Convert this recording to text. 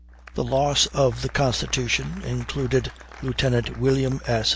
18 The loss of the Constitution included Lieutenant William S.